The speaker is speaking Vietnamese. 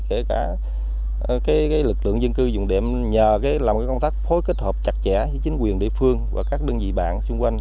kể cả lực lượng dân cư dùng đệm nhờ làm công tác phối kết hợp chặt chẽ với chính quyền địa phương và các đơn vị bạn xung quanh